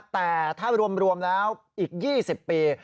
แต่ถ้ารวมแล้วอีก๒๐ปี